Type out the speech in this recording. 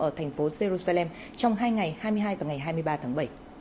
ở thành phố jerusalem trong hai ngày hai mươi hai và ngày hai mươi ba tháng bảy